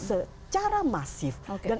secara masif dan